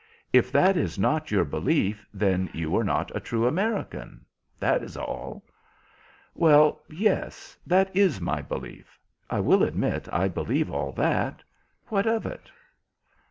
If that is not your belief then you are not a true American, that is all." "Well, yes, that is my belief. I will admit I believe all that. What of it?"